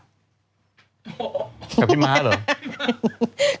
กับพี่ม้าเหรอ